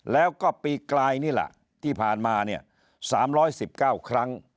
แล้วก็ปีกลายนี่แหละที่ผ่านมาเนี่ย๓๑๙ครั้ง